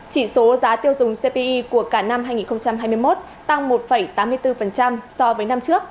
chỉ số giá tiêu dùng cpi của cả năm hai nghìn hai mươi một tăng một tám mươi bốn so với năm trước